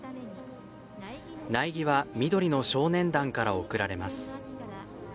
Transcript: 苗木は「緑の少年団」から贈られます。